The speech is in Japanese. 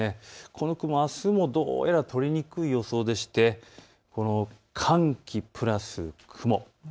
この雲、あすもどうやら取れにくい予想で寒気プラス雲。